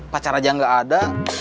pacar aja nggak ada